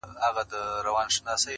ما اوس اېښے پل په پل د روښاني دے